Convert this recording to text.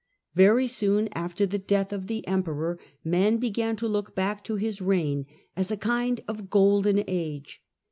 Very soon after the death of the Emperor, men began to look back to his reign as a kind of golden age.